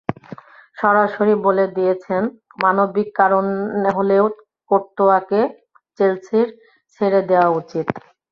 সরাসরি বলে দিয়েছেন, মানবিক কারণে হলেও কোর্তোয়াকে চেলসির ছেড়ে দেওয়া উচিত।